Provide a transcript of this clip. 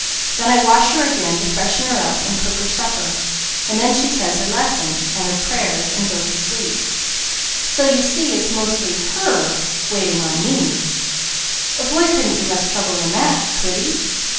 Then I wash her again to freshen her up and cook her supper. Then she says her lesson, her prayers and goes to sleep. So you see it's mostly her waiting on me. A boy couldn't be less trouble than that, could he?"